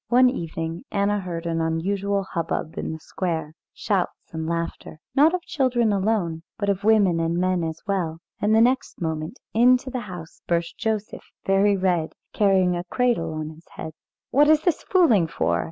One evening Anna heard an unusual hubbub in the square, shouts and laughter, not of children alone, but of women and men as well, and next moment into the house burst Joseph very red, carrying a cradle on his head. "What is this fooling for?"